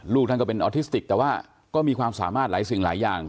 ท่านก็เป็นออทิสติกแต่ว่าก็มีความสามารถหลายสิ่งหลายอย่าง